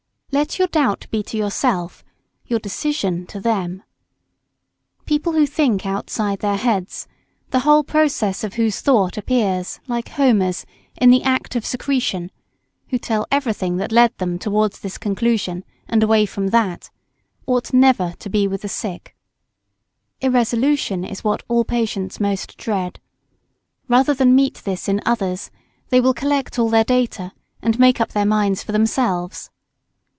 Let your doubt be to yourself, your decision to them. People who think outside their heads, the whole process of whose thought appears, like Homer's, in the act of secretion, who tell everything that led them towards this conclusion and away from that, ought never to be with the sick. [Sidenote: Irresolution most painful to them.] Irresolution is what all patients most dread. Rather than meet this in others, they will collect all their data, and make up their minds for themselves.